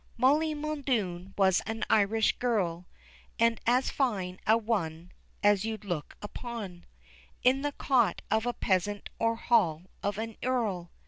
Molly Muldoon was an Irish girl, And as fine a one As you'd look upon In the cot of a peasant or hall of an earl.